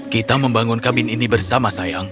kita membangun kabin ini bersama sayang